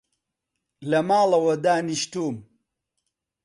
لە ماڵەوە دانیشتووم